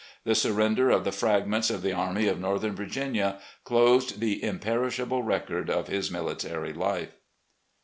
The surrender of the fragments of the Army of Northern Virginia closed the imperishable record of his military life.